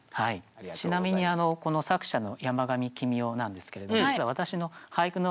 ちなみにこの作者の山上樹実雄なんですけれど実は私の俳句の師匠なんですね。